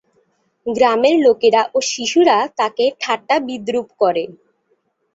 গ্রামের লোকেরা এবং শিশুরা তাকে ঠাট্টা-বিদ্রূপ করে।